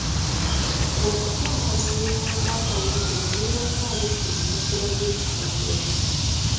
Bw'okakwata n'obeera ng'akawenjula obeera ng'abikkula empapula z'ekitabo.